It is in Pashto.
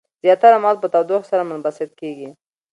زیاتره مواد په تودوخې سره منبسط کیږي.